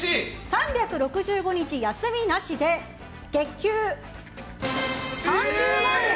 ３６５日休みなしで月給３０万円。